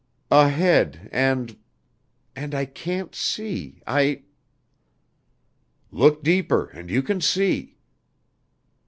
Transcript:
"Ahead and and I can't see, I " "Look deeper and you can see."